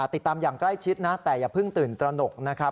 ติดตามอย่างใกล้ชิดนะแต่อย่าเพิ่งตื่นตระหนกนะครับ